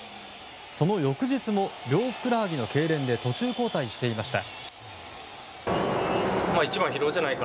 その翌日も両ふくらはぎのけいれんで途中交代していました。